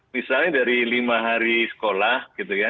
misalnya dari lima hari sekolah gitu ya